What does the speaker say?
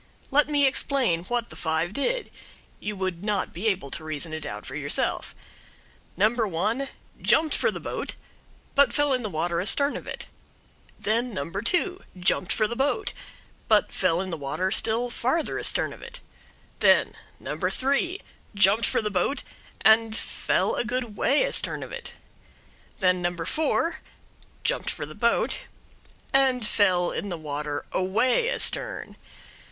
Let me explain what the five did you would not be able to reason it out for yourself. No. 1 jumped for the boat, but fell in the water astern of it. Then No. 2 jumped for the boat, but fell in the water still farther astern of it. Then No. 3 jumped for the boat, and fell a good way astern of it. Then No. 4 jumped for the boat, and fell in the water away astern.